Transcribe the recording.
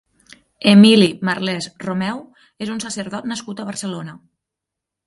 Emili Marlès Romeu és un sacerdot nascut a Barcelona.